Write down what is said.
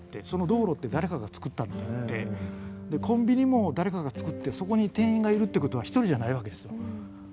その道路って誰かがつくったのとかってコンビニも誰かがつくってそこに店員がいるってことは一人じゃないわけですよ。